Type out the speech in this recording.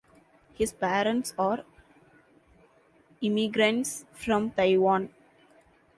His parents are immigrants from Taiwan.